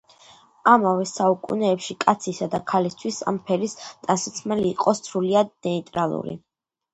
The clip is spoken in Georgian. ამავე საუკუნეებში კაცისა და ქალისათვის ამ ფერის ტანსაცმელი იყო სრულიად ნეიტრალური.